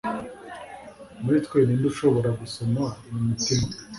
Muri twe ni nde ushobora gusoma mu mitima?